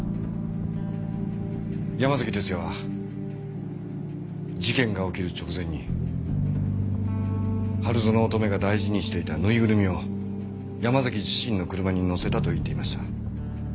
山崎哲也は事件が起きる直前に春薗乙女が大事にしていたぬいぐるみを山崎自身の車に乗せたと言っていました。